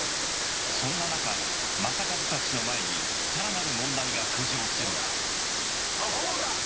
そんな中正一たちの前にさらなる問題が浮上するアホウが！